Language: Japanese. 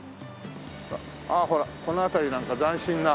ああほらこの辺りなんか斬新な。